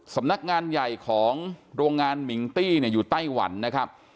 สำนักงานใหญ่ของโรงงานมิงตี้อยู่ไต้หวันนะครับ